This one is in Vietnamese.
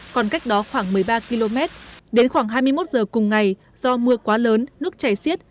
còn cách đó khoảng một mươi ba km đến khoảng hai mươi một giờ cùng ngày do mưa quá lớn nước chảy xiết